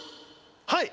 はい！